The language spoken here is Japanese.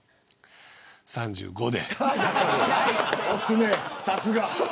３５で。